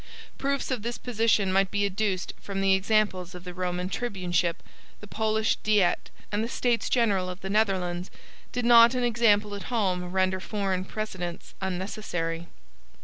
Proofs of this position might be adduced from the examples of the Roman Tribuneship, the Polish Diet, and the States General of the Netherlands, did not an example at home render foreign precedents unnecessary.